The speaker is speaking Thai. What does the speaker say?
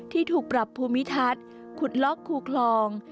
ที่ถูกปรับภูมิทัศน์ขุดล็อกคูคลอง